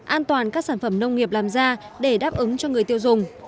an toàn các sản phẩm nông nghiệp làm ra để đáp ứng cho người tiêu dùng